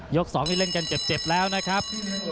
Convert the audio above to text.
๒นี่เล่นกันเจ็บแล้วนะครับ